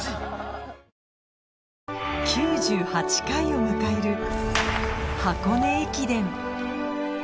９８回を迎える箱根駅伝